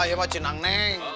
ah ya masih nang neng